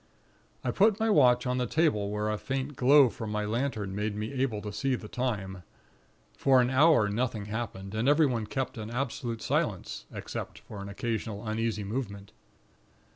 "I put my watch on the table, where a faint glow from my lantern made me able to see the time. For an hour nothing happened, and everyone kept an absolute silence, except for an occasional uneasy movement.